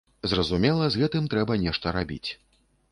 Зразумела, з гэтым трэба нешта рабіць.